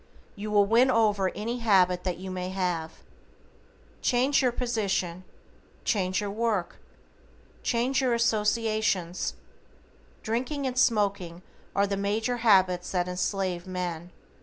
You will win over any habit that you may have. Change your position. Change your work. Change your associations. Drinking and smoking are the major habits that enslave men.